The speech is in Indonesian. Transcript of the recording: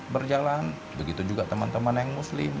berjalan begitu juga teman teman yang muslim